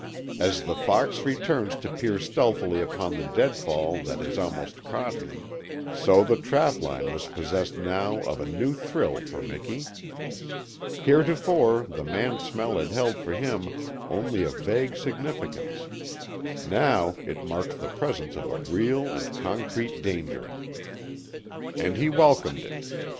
As the fox returns to peer stealthily upon the deadfall that has almost caught him, so the trapline was possessed now of a new thrill for Miki. Heretofore the man smell had held for him only a vague significance; now it marked the presence of a real and concrete danger. And he welcomed it.